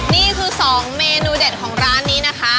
นี่คือ๒เมนูเด็ดของร้านนี้นะคะ